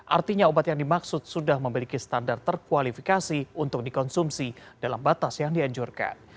artinya obat yang dimaksud sudah memiliki standar terkualifikasi untuk dikonsumsi dalam batas yang dianjurkan